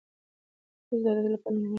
د ښو عادتونو پالنه د مینې له لارې ممکنه ده.